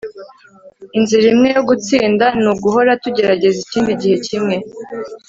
inzira imwe yo gutsinda ni uguhora tugerageza ikindi gihe kimwe